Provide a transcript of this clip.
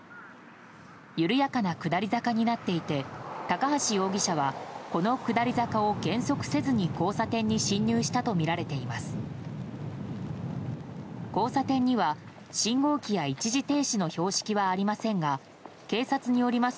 緩やかな下り坂になっていて高橋容疑者はこの下り坂を減速せずに交差点に進入したとみられています。